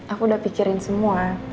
aku udah pikirin semua